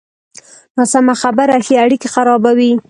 ناسمه خبره ښې اړیکې خرابوي.